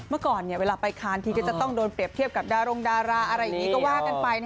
เมื่อก่อนเวลาไปคานทีก็จะต้องโดนเปรียบเทียบกับดารงดาราอะไรอย่างนี้ก็ว่ากันไป